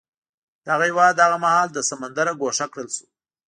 دغه هېواد هغه مهال له سمندره ګوښه کړل شو.